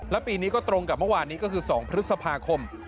และปีนี้ก็ตรงกับเมื่อวานนี้ก็คือ๒พฤษภาคม